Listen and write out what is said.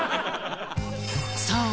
さあ